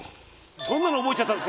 そんなの覚えちゃった？